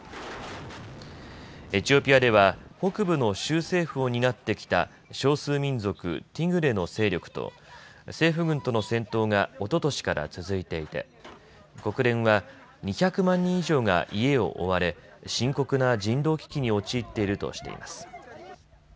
エチオピアでは北部の州政府を担ってきた少数民族、ティグレの勢力と政府軍との戦闘がおととしから続いていて国連は２００万人以上が家を追われ深刻な人道危機に陥っているとしています。